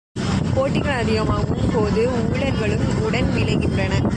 போட்டிகள் அதிகமாகும் போது ஊழல்களும் உடன் விளைகின்றன.